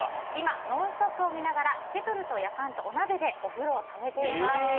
今、「ノンストップ！」を見ながらケトルとやかんとお鍋でお風呂をためています。